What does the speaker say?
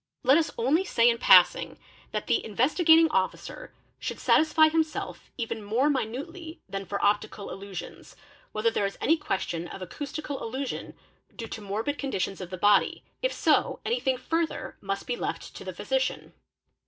Let us only say in passing that the Investigating Officer should a aA 4 68 EXAMINATION OF WITNESSES satisfy himself even more minutely than for optical illusions, whether — there is any question of acoustical illusion due to morbid conditions of the body, if so, anything further must be left to the physician.